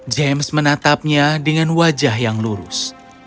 james menatapnya dengan wajah yang lurus